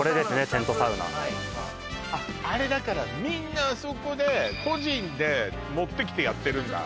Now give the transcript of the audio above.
テントサウナああれだからみんなあそこで個人で持ってきてやってるんだ？